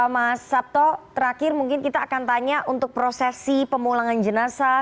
mas sabto terakhir mungkin kita akan tanya untuk prosesi pemulangan jenazah